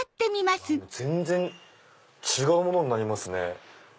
全然違うものになりますね。